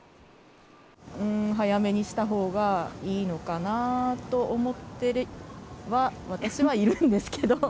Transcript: うーん、早めにしたほうがいいのかなと思っては、私はいるんですけれども。